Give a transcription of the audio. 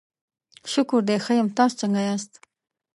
شکر دی، ښه یم، تاسو څنګه یاست؟